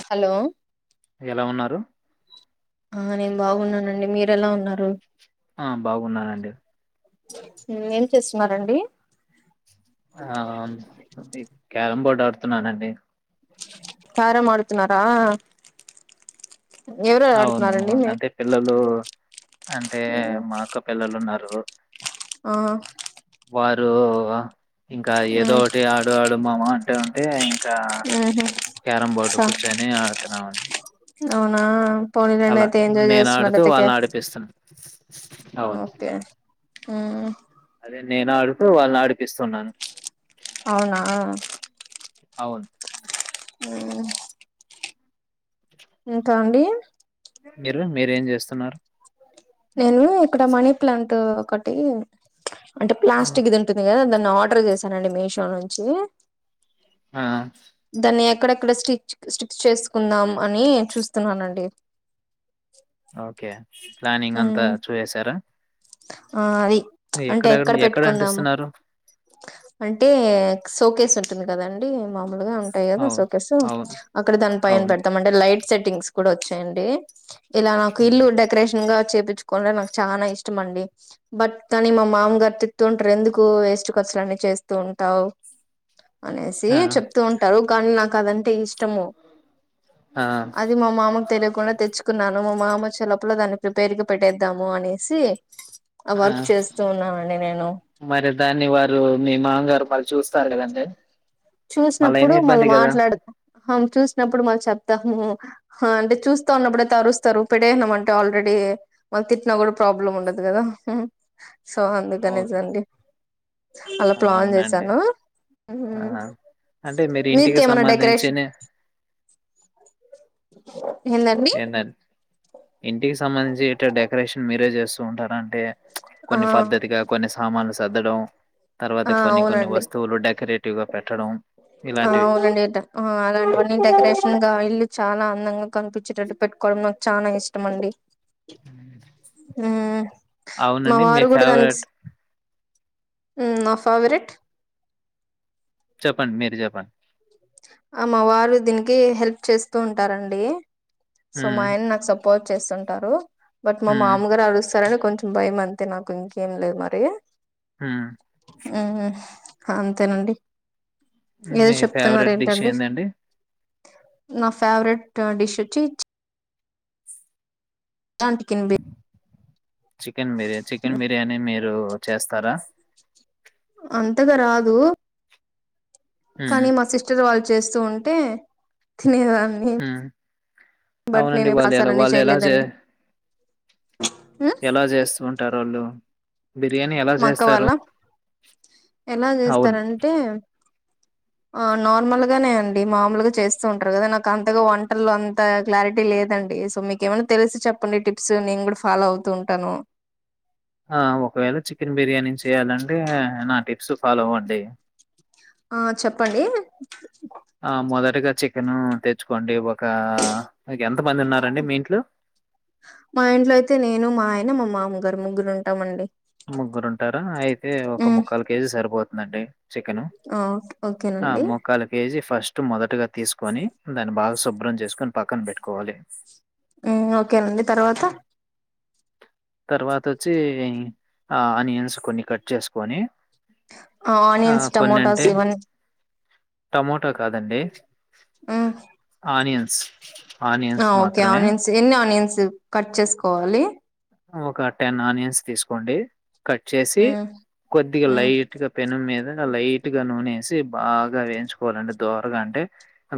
Hello ఎలా ఉన్నారు ఆ నేను బాగున్నానండి మీరెలా ఉన్నారు ఆ బాగున్నానండి ఏం చేస్తున్నారండి ఆమ్ అది క్యారం బోర్డు ఆడుతున్నానండి క్యారమ్ ఆడుతున్నారా ఎవరెవరు అవును ఆడుతున్నారండి మీ అంటే పిల్లలు అంటే మా అక్క పిల్లలు ఉన్నా రు ఆ వారు ఇంకా ఏదో మ్మ్ ఒకటి ఆడు ఆడు మామా అంటా ఉంటే కా మ్మ్ క్యారం బోర్డు స కూర్చొని ఆడుతున్నాము అవునా పోనిలేండి అయితే ఎంజాయ్ నేను చేస్తున్నారు ఆడుతూ ఎతికే వాళ్ళని ఆడిపిస్తున్నా. ఆ అవును. ఓకే ఉమ్ అదే నేను ఆడుతూ వాళ్ళని ఆడి అవునా అవున్ ఊ ఇంకా అండి మీరు మీరేం చేస్తున్నారు నేను ఇక్కడ మనీ ప్లాంట్ ఒకటి అంటే ప్లాస్టిక్ది ఉంటుంది కదా దాన్ ఆర్డర్ చేశానండి మీషో నుంచి ఆ అక్కడక్కడ స్టిచ్ స్టిక్ చేసుకుందాం అని చూస్తున్నానండి ఓకే ప్లానింగ్ అంతా ఉమ్ చూసేసారా ఆ ఆవి అంటే ఎక్కడ పెట్టుకుందాము అంటే సోకేస్ ఉం టుంది కదండి మామూలుగా ఉంటాయి కదా అవును సోకేసు అవును అక్కడ దాని పైన అవును పెడతాం అండి లైట్ సెట్టింగ్స్ కూడా వచ్చాయండి ఇలా నాకు ఇల్లు డెకరేషన్ గా చెయ్యిపించుకుంటే నాకు చానా ఇష్ ష్టంమండి బట్ కానీ మా మామగారు తిత్తుంటారు ఎందుకు వేస్ట్ ఖర్చులు అన్నీ చేస్తూ ఉంటావ్ అనేసి ఆ చెప్తూ ఉంటారు కానీ నాకు అది అన్ టె ఇష్టము ఆ అది మా మామకు తెలియకుండా తెచ్చుకున్నా ఇంగ మా మామ వచ్చేలోపల దాన్ని ప్రిపేర్గా పెట్టేద్దాము అనేసి ఆ వర్క్ చేస్తూ ఉన్నానండి నేను మరి దాన్ని వారు మీ మాంగారు వాళ్ళు చూస్తారు కదండి మళ్ళయినా చూసినప్పుడు మళ్ళ ఇబ్బంది కదా మాట్లాడ హా చూసినప్పుడు మళ్ళ చెప్తాము హా అంటే చూస్తా ఉన్నప్పుడైతే అరుస్తారు పెడేనాం అంటే ఆల్రెడీ డి వాల్ తిట్టినా కూడా ప్రాబ్లం ఉండదు కదా సో ఓ అందుకనేసండి అలా ప్లాన్ అవునండి చేసాను ఆ ఉమ్ అంటే మీరు ఇంటికి సంబంధించిన ఎందండి ఏందండి ఇంటికి సంబంధించి ఇటే డెకరేషన్ మీరే చేస్తూ ఉంటారా అ అంటే ఆ కొన్ని పద్ధతిగా కొన్ని సామాన్లు సర్దడం తర్వాత ఆ కొన్ని కొన్ని అవునండి వస్తువులు డెకరేటివ్ గా పెట్టడం ఆ ఇలాంటివి అవునండి ఇట్ట అలాంటివన్ని డెకరేషన్ గా ఇల్లు చానా అందంగా కనిపించేటట్టు పెట్టుకోవడం నాకు చాలా ఇష్టం అండి హ్మ్ మా అవునండి మీ వారు కూడా దానికి ఫేవరెట్ నా ఫేవరెట్ చెప్పండి మీరు చెప్పండి ఆ మా వారు దీనికి హెల్ప్ చేస్తూ ఉంటారండి సో మా ఉమ్ ఆయన నాకు సపో పోర్ట్ చేస్తుంటారు బట్ మా ఉమ్ మామగారు అరుస్తారని కొంచెం భయం అంతే నాకు ఇంకేం లేదు మరి హ్మ్ ఉమ్మ్ అంతేనండి ఏదో మీ చెప్తున్నారు ఫేవరెట్ డిష్ ఏంటండి ఏందండి నా ఫేవరెట్ డిష్ వచ్చి లాంటి కెన్ బి చికెన్ మిరె చికెన్ బిర్యానీ మీరు చేస్తారా అంతగా రాదు హ్మ్. కానీ మా సిస్టర్ వాళ్ళు చేస్తూ ఉంటే తినేదాన్ని హ్మ్. బట్ అవునండి నేను వాళ్ళు ఎలా మసాలనే వాళ్ళు ఎలా జే చేయలేదండి మ్మ్? ఎలా జేస్తూ ఉంటారు వాళ్ళు బిర్యానీ ఎలా మా అక్క జేస్తారు వాళ్ళ ఎలా అవును చేస్తారంటే ఆ నార్మల్ గానే అండి మామూలుగా చేస్తూ ఉంటారు కదా నాకు అంతగా వంటలు అంత క్లారిటీ లేద డి సో మీకేమైనా తెలిసి చెప్పండి టిప్స్ నేను కూడా ఫాలో అవుతూ ఉంటాను [inaudible] ఒకవేళ చికెన్ బిర్యానీ చేయ్యాలంటే నా టిప్స్ ఫాలో అవ్వండి ఆ చెప్పండి ఆ మొదటిగా చికెన్ తెచ్చుకోండి ఇవ ఒక మీ ఎంత మంది ఉన్నారండి మీ ఇంట్లో మా ఇంట్లో అయితే నేను మా ఆయన మా మామగారు ముగ్గురు ఉంటామండి ముగ్గురుంటారా అయితే ఒక మ్మ్ ముక్కాలు కేజీ సరిపోతుందండి చికెను ఆ ఓకేనండి ముక్కాల కేజీ ఫస్ట్ మొదటగా తీస్కొని దాన్ని బాగా శుభ్రం చేస్కొని పక్కన పెట్టుకోవాలి ఓకేనండి తర్వాత తర్వాత వచ్చి ఆనియన్స్ కొన్ని కట్ చేసుకొని ఆ ఆనియన్స్ కొన్ని టమోటాస్ అంటే ఇవన్నీ టమోటా కాదండి మ్మ్ బస్ ఆ ఓకే ఆనియన్స్ ఎన్ని ఆనియన్స్ కట్ చేసుకోవాలి ఒక టెన్ ఆనియన్స్ తీసుకోండి కట్ చేసి మ్మ్ కొద్దిగా మ్మ్ లైట్ గా పెనం మీద లైట్ గా నూనెసి బాగా వేయించుకోవాలండి దోరగా అంటే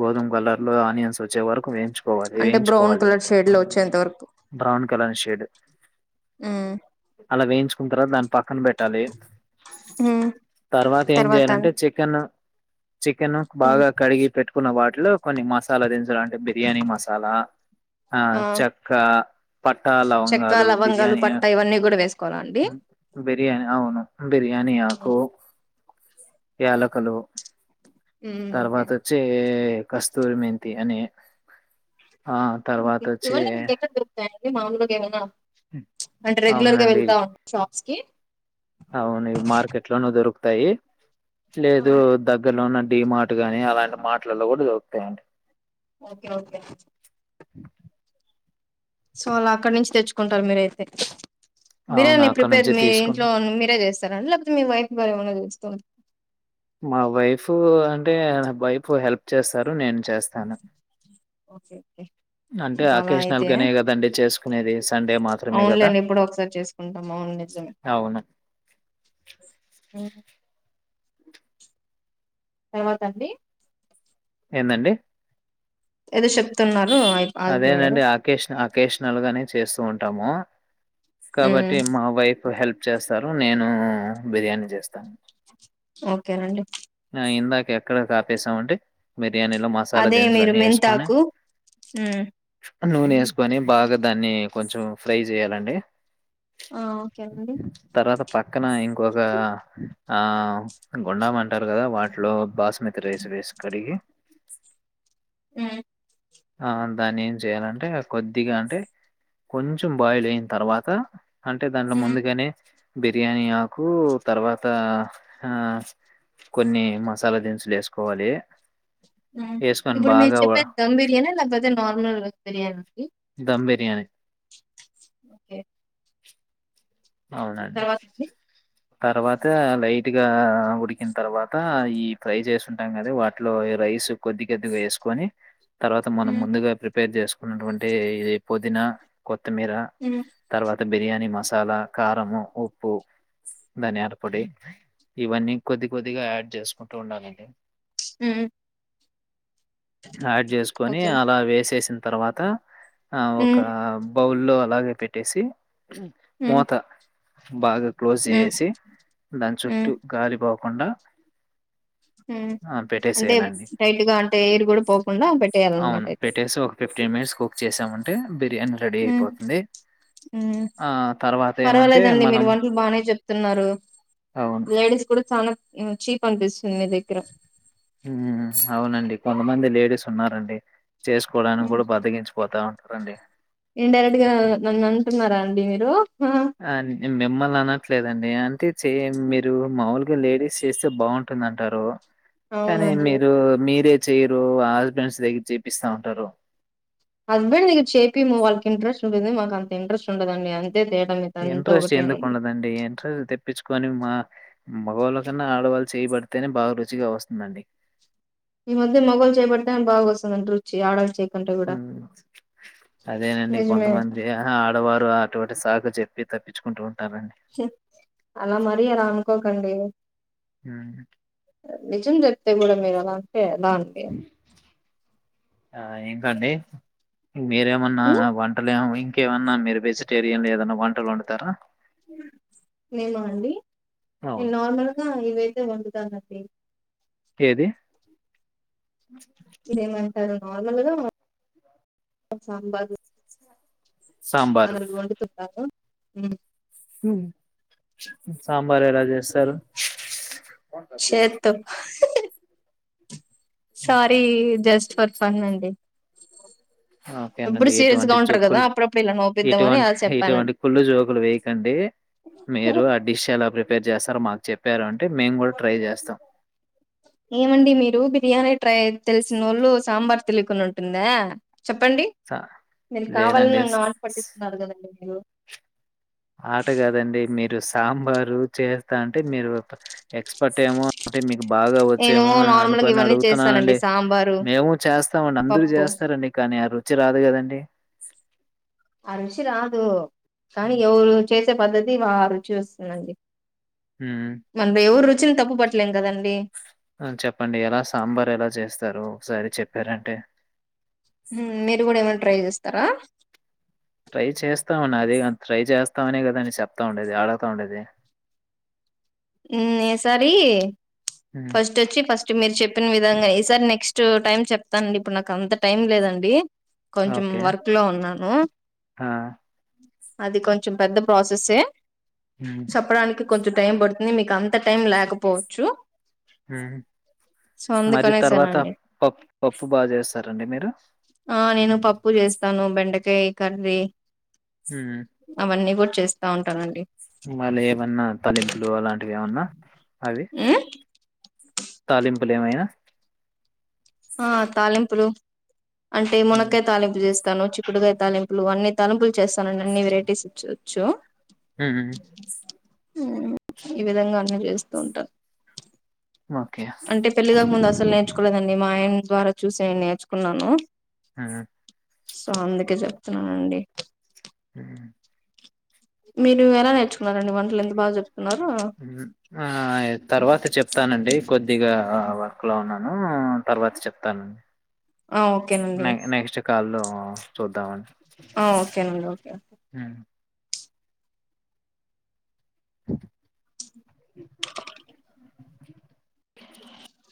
గోధుమ కలర్ లో ఆనియన్స్ వచ్చే వరకు వేయి కోవాలి అంటే బ్రౌన్ వేయించుకోవాలి కలర్ షేడ్ లో వచ్చేంత బ్రౌన్ కలర్ షేడ్ హ్మ్ అలా వేయించుకున్న తర్వాత దాన్ పక్కన బెట్టాలి మ్మ్ తర్వాత ఏం చేయాలంటే చికెన్ చికెన్ మ్మ్ బాగా కడిగి పెట్టుకున్న వాటిలో కొన్ని మసాలా దినుసులు అంటే బిర్యానీ మసాలా ఆ చెక్క పటాలౌ చెక్క లవంగాలు పట్టా ఇవన్నీ కూడా వేస్ బిర్యాని అవును బిర్యాని ఆకు యలకలు మ్మ్ ఓకే తర్వాత వచ్చే కస్తూరి మెంతి అని ఆ తర్వాత వచ్చి అంటే మామూలుగా ఏమైనా అంటే రెగ్యులర్ గా అవునండి వెళ్తావా షాప్స్ కి తాయి లేదు దగ్గరలోన డి మాట్ గాని అలాంటి మార్ట్లలో కూడా దొరుకుతాయండి ఓకే ఓకే సో అలా అక్కడి నుంచి తెచ్చుకుంటారు మీరయితే అవును బిర్యానీ అక్కడ ఇప్పియ్యకపోయారు నుంచి మీ తీసుకున్నా ఇంట్లో మీరే చేస్త లేకపోతే మీ వైఫ్ గారు ఏమన్నా చూస్తుంది మా వైఫ్ అంటే వైఫ్ హెల్ప్ చేస్తారు నేను చేస్తాను ఓకే ఓకే అంటే ఇంకా అలా ఆకేషనల్గానే కదండి చేసుకునేది సండే మాత్రమే కదా! అవునులేడీ ఎప్పుడో ఒకసారి చేసుకుంటాం అవును నిజమే అవును. మ్మ్ తర్వాత అండి ఏందండి ఏదో చెప్తున్నారు ఆగి ఆగిపోయారు అదేనండి ఆకేష ఆకేషనల్ గానే చేస్తూ ఉంటాము మ్మ్ కాబట్టి మా వైఫ్ హెల్ప్ చేస్తారు నేను బిర్యానీ చేస్తాను ఓకేనండి ఆ! ఇందాక ఎక్కడ కాపేసాం అంటే బిర్యానీలో మసాలా అదే దినుసులు మీరు అన్నీ వేసుకొని మెంతాకు మ్మ్ నూనె వేసుకొని బాగా దాన్ని కొంచెం ఫ్రై చేయాలండి ఆ ఓకే అండి తరువాత పక్కన ఇంకో ఇక్కొక ఆ గుడాం అంటారు కదా వాటిలో బాస్ రైస్ వేసి కడిగి మ్మ్ ఆ దాన్ని ఏం చెయాలంటే కొద్దిగా అంటే కొంచెం బాయిల్ అయిన తర్వాత అంటే దాంట్లో ఉమ్ ముందుగానే బిర్యానీ ఆకు తర్వాత ఆ కొన్ని మసాలా దినుసులు వేసుకోవాలి వేసుకొని ఇప్పుడు మీరు బాగా చెప్పేది దమ్ బిర్యానీయ లేకపోతే నార్మల్ బిర్యానీయ అండి ర్యాని ఓకే అవునండి తర్వాత అండి తర్వాత లైట్ గా ఉడికిన తర్వాత ఈ ఫ్రై చేసింటాం కదా వాటిలో రై వేసు కొద్ది కొద్దిగా వేసుకొని తర్వాత మనం ఉమ్ ముందుగా ప్రిపేర్ చేసుకున్నటువంటి ఇది పుదీనా కొత్త కొత్తిమీర ఉమ్ తర్వాత బిర్యానీ మసాలా కారంము ఉప్పు ధనియాల పొడి ఇవన్నీ కొద్ది కొద్దిగా యాడ్ చేసుకుంటూ ఉండాలి హ యాడ్ చేసుకొని ఓకే అలా వేసేసిన తర్వాత ఆ ఒక ఉమ్ బౌల్లో అలాగే పెట్టేసి ఉమ్ మూత బాగా క్లోజ్ ఉమ్ చేేసి దాని ఉమ్ చుట్టూ గాలి పోకుండా ఆ! అంటే పెట్టేసేయాలండి. టైట్గా అంటే ఎయిర్ కూడా పోకుండా పెట్టేయాలన్నమాట అయితే ఫిఫ్టీన్ మినిట్స్ కుక్ చేసామంటే బిర్యానీ రెడీ ఉమ్ అయిపోతుంది ఉమ్ ఆ తర్వాత ఏమంటే పర్వాలేదండి మీరు మనం వంటలు బాగానే చెప్తున్నారు అవును. లేడీస్ కూడా చాలా చీప్ అనిపిస్తుంది మీ దగ్గర అవునండి కొంతమంది లేడీస్ ఉన్నారండి చేసుకోవడానికి కూడా బద్దకిించిపోతా ఉంటారండి ఇన్డైరెక్ట్ గా నను అంటున్నారా అండి మీరు ఆ మిమ్మల్ని అనట్లేదండి అంటే చేయ మీరు మాములు గా లేడీస్ చేస్తే బాగుంటుందంటారు, కానీ అవునండి మీరు మీరే చేయరు, ఆ హస్బెండ్స్ దగ్గర చేపిస్తా ఉంటారు. హస్బెండ్ దగ్గర చేపియ్యము, వాళ్ళకు ఇంట్రస్ట్ ఉండిద్ది మాకు అంత ఇంట్రెస్ట్ ఉండదండి అం ఇంట్రెస్ట్ ఎందుకు ఉండదండి ఇంట్రెస్ట్ తెప్పించుకొని మా మగవాళ్ళ కన్నా ఆడవాళ్ళు చెయ్యి బడితేనే బాగా రుచిగా వస్తుందండి. ఈ మధ్య మొగోళ్ళు చేయిపడితేనే బాగా వస్తుందండి రుచి ఆడోల్ల చేయి ఉమ్ అదేనండి నిజమే కొంతమంది ఆడవారు అటువంటి సాకు చెప్ ప్పి తప్పించుకుంటు చి అలా మరీ అలా అనుకోకండి. ఉమ్ నిజం చెప్తే కూడా మీరు అలా ఎలా అండి ఆ ఏంటండీ మీరేమన్నా ఉమ్ వంటలు ఇంకేమన్నా మీరు వెజిటేరియన్ ఏదన్నా వంటలు వండుతారా నేనా అండి నేను అవును. నార్మల్గా ఇవైతే వండు తానండి ఏది ఏమంటారు నార్మల్గా సాంబార్ సాంబారు. అలా వండుతుంటాను ఉమ్ సాంబార్ ఎలా చేస్తారు. చేత్తో సారీ జస్ట్ ఫర్ ఫన్ అండి. ఎప్పుడు ఓకేనండి సీరియస్ గా ఇటువంటి ఉంటారు కదా జోక్లు అప్పుడప్పుడు ఇలా నవ్విద్దామని ఇటువంటి అలా ఇటువంటి చెప్పానండి కుళ్ళు జోకులు వేయకండి మీరు ఆ డిష్ ఎలా ప్రిపే ప్రిపేర్ చేస్తారో మాకు చెప్పారు అంటే మేము కూడా ట్రై చేస్తాం. ఏమండి మీరు బిర్యానీ ట్రై తెలిసినోళ్ళు సాంబార్ తెలియకుండ ఉంటుందా చెప్పండి. స మీరు కావాలని లేదండి స్ నన్ను స్ ఆటపట్టిస్తున్నారు కదండి. అయ్యో ఆట కాదండి మీరు సాంబారు చేస్తా అంటే మీరు ఎక్స్పర్ట్ ఏమో అంటే మీకు బాగా నేను వచ్చేమో అని నార్మల్గా అనుకొని ఇవన్నీ చేస్తానండి అడుగుతున్నానండి. సాంబారు మేము చేస్తామండి అందరు పప్పు చేస్తారండి కానీ ఆ రుచి రాదు కదండి. ఆ రుచి రాదు కానీ ఎవరు చేసే పద్ధతి వారి రుచి వస్తుందండి. హ్మ్. మనం ఎవరి రుచిని తప్పు పట్టలేం కదండి. ఆ చెప్పండి ఎలా సాంబార్ ఎలా చేస్తారు ఒకసారి చెప్పారంటే ఉమ్ మీరు కూడా ఏమైనా ట్రై చేస్తారా అదేగా ట్రై చేస్తామనే కదా అండి చెప్తా ఉండేది, అడుగుతా ఉండేది. ఉమ్ ఈసారి హ్మ్ ఫస్ట్ వచ్చి ఫస్ట్ మీరు చెప్పిన విధంగా ఈసారి నెక్స్ ట్ టైమ్ చెప్తానండి, ఇప్పుడు నాకు అంత టైం లేదండి కొంచెం ఓకే వర్క్ లో ఉన్నాను. ఆ అది కొంచెం పెద్ద ప్రాసెసే హ్మ్ చెప్పడానికి కొంచెం టైం బడుతు కాని మీకు అంత టైం లేకపోవచ్చు. ఉమ్ సో మరి తర్వాత అందుకనేసేనండి పప్పు పప్పు బాగా చేస్తారండి మీరు ఆ నేను పప్పు చేస్ తాను బెండకాయ కర్రీ హ్మ్ అవన్నీ కూడా చేస్తా ఉంటానండి. మళ్ళీ ఏమన్నా తలింపులు అలాంటివి ఏమన్నా అవి ఉమ్ తాలింపులు ఏమైనా ఆ తాలింపులు అంటే హ్మ్ మునక్కాయ తాలింపు చేస్తాను, చిక్కుడుకాయ తాలింపులు, అన్ని తాలింపులు చేస్తానండి అన్ని వెరైటీస్ వచ్చు. చో ఉ ఈ విధంగా అన్నీ చేస్తుంటా ఓకే అంటే పెళ్లికాక ముందు అసలు నేర్చుకోలేదండి మా ఆయన ద్వారా చూసి నేను నేర్చుకున్నాను ఉ సో అందుకే చెప్తున్నానండి ఉ మీరు ఎలా నేర్చుకున్నారండి వంటలు ఎంత బాగా చెప్ ఆ తర్వాత చెప్తానండి కొద్దిగా ఆ వర్క్ లో ఉన్నాను తర్వాత చెప్తాను ఆ ఓకేనండి నే నెక్స్ట్ కాల్లో చూద్దామండి ఆ ఓకేనండి ఓకే హ్మ్ ఆ [inaudible] [inaudible] [inaudible]